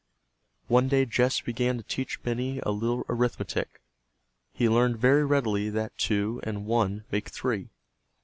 One day Jess began to teach Benny a little arithmetic. He learned very readily that two and one make three.